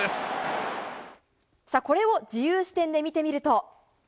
これを自由視点で見てみると。